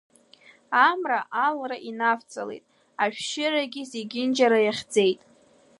Амра алра инавҵалеит, ашәшьырагьы зегьынџьара иахьӡеит.